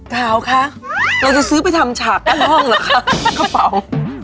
ขาวคะเราจะซื้อไปทำฉากกั้นห้องเหรอคะกระเป๋า